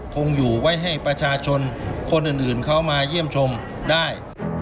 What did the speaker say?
คงอยู่ไว้ให้ประชาชนคนอื่นเข้ามาเยี่ยมชมได้